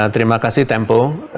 terima kasih tempo